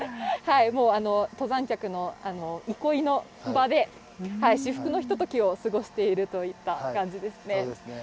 もう、登山客の憩いの場で、至福のひとときを過ごしているといった感じですね。